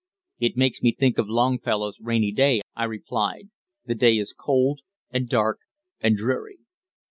"It makes me think of Longfellow's 'Rainy Day,"' I replied. "'The day is cold, and dark, and dreary.'"